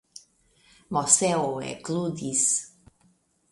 Moseo ekludis.